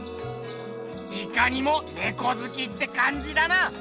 いかにもネコずきってかんじだな。